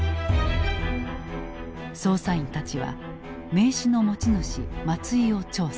捜査員たちは名刺の持ち主松井を調査。